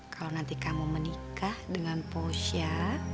kalau nanti kamu menikah dengan posya